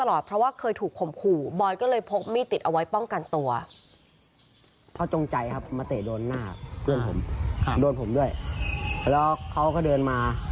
แล้วเขาก็เดินมา